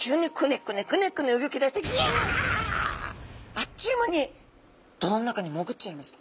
あっちゅう間に泥の中にもぐっちゃいました。